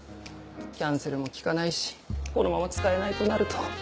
キャンセルも利かないしこのまま使えないとなると。